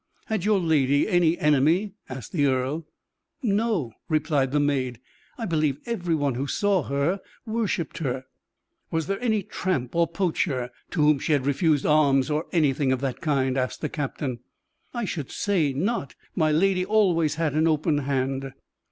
"Had your lady any enemy?" asked the earl. "No," replied the maid; "I believe every one who saw her worshiped her. "Was there any tramp or poacher to whom she had refused alms, or anything of that kind?" asked the captain. "I should say not; my lady always had an open hand."